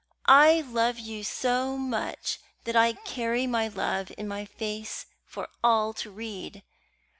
I love you so much that I carry my love in my face for all to read.